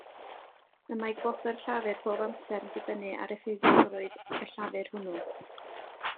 Y mae gwobr llafur bob amser yn dibynnu ar effeithiolrwydd y llafur hwnnw.